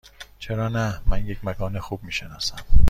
چرا نه؟ من یک مکان خوب می شناسم.